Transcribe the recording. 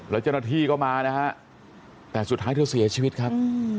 แล้วเจ้าหน้าที่ก็มานะฮะแต่สุดท้ายเธอเสียชีวิตครับ